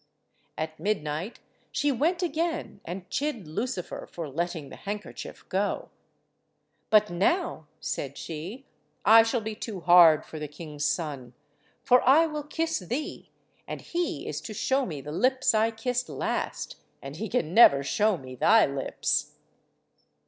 At midnight she went again and chid Lucifer for letting the handkerchief go. "But now," said she, "I shall be too hard for the king's son, for I will kiss thee, and he is to show me the lips I kissed last, and he can never show me thy lips."